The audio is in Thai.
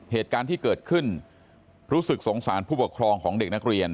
เหตุการณ์ที่เกิดขึ้นรู้สึกสงสารผู้ปกครองของเด็กนักเรียน